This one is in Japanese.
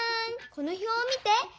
この表を見て！